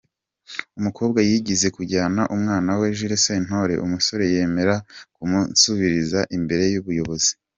Umukobwa yigeze kujyana umwana kwa Jules Sentore, umusore yemera kumumusubiriza imbere y’ubuyobozi.